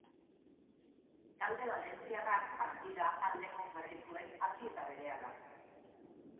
Talde valentziarrak partida aldeko jarri zuen hasi eta berehala.